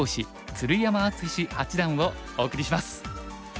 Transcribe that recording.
鶴山淳志八段」をお送りします。